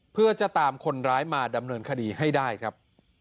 เพื่อจะตามคนร้ายมาดำเนินคดีให้ได้ครับ